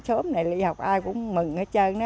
số này ly học ai cũng mừng hết trơn